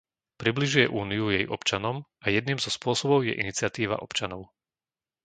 Približuje Úniu jej občanom a jedným zo spôsobov je iniciatíva občanov.